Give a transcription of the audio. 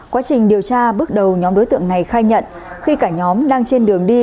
quá trình điều tra bước đầu nhóm đối tượng này khai nhận khi cả nhóm đang trên đường đi